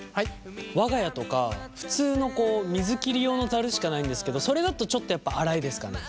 我が家とか普通の水切り用のざるしかないんですけどそれだとちょっとやっぱ粗いですかね。